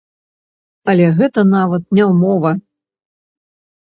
Але гэта нават не ўмова.